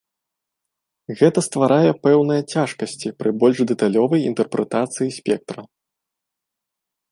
Гэта стварае пэўныя цяжкасці пры больш дэталёвай інтэрпрэтацыі спектра.